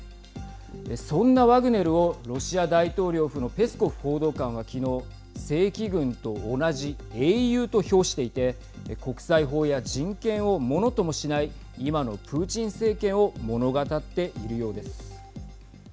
そんなワグネルをロシア大統領府のペスコフ報道官は昨日正規軍と同じ英雄と評していて国際法や人権をものともしない今のプーチン政権を物語っているようです。